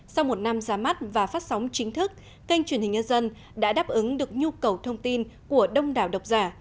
sau một năm ra mắt và phát sóng chính thức kênh truyền hình nhân dân đã đáp ứng được nhu cầu thông tin của đông đảo độc giả